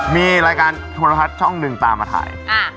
มีรายการโทรทัศน์ช่องหนึ่งตามมาถ่าย